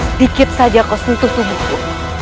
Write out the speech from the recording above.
sedikit saja kau sentuh tubuhku